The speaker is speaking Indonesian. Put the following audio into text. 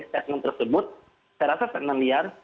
statement tersebut saya rasa sangat liar